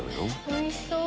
おいしそう。